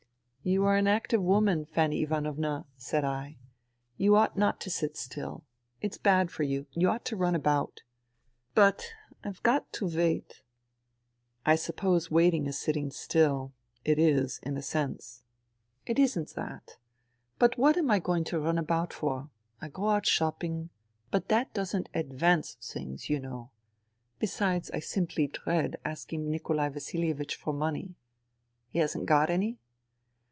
..."" You are an active woman, Fanny Ivanovna, "^ said I. " You ought not to sit still. It's bad for you. You ought to run about." '' But ... IVe got to wait." " I suppose waiting is sitting still. It is, in a sense. ..." 96 FUTILITY " It isn't that. But what am I going to run about for ? I go out shopping. But that doesn't advance things, you understand. Besides, I simply dread asking Nikolai Vasilievich for money." " He hasn't got any